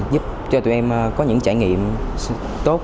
giúp cho tụi em có những trải nghiệm tốt